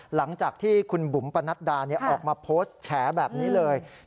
หลังจากที่คุณบุ๋มปนัดดาออกมาโพสต์แฉแบบนี้เลย